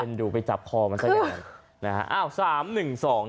ไปดูไปจับคอมันสักอย่าง